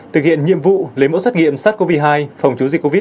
thực hiện nhiệm vụ lấy mẫu xét nghiệm sars cov hai phòng chống dịch covid một mươi chín